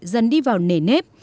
dần đi vào nề nếp